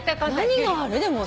何がある？